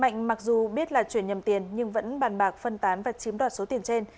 mạnh mặc dù biết là chuyển nhầm tiền nhưng vẫn bàn bạc phân tán và chiếm đoạt số tiền trên